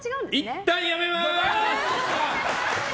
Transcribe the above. いったんやめまーす！